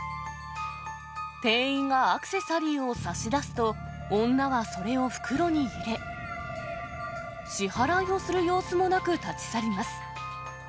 店員がアクセサリーを差し出すと、女はそれを袋に入れ、支払いをする様子もなく立ち去ります。